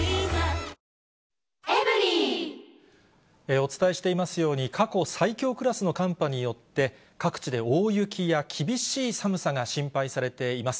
お伝えしていますように、過去最強クラスの寒波によって、各地で大雪や厳しい寒さが心配されています。